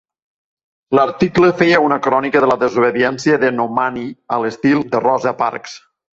L"article feia una crònica de la desobediència de Nomani a l"estil de Rosa Parks.